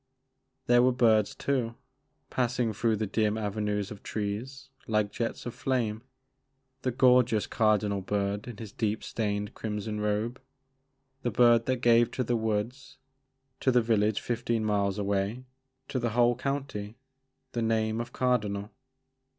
There were birds too, passing through the dim avenues of trees like jets of flame, — the gorgeous Cardinal Bird in his deep stained crimson robe, — ^the bird that gave to the woods, to the village fifteen miles away, to the whole county, the name of Cardinal.